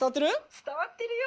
「伝わってるよ。